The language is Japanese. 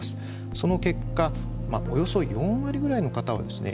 その結果およそ４割ぐらいの方はですね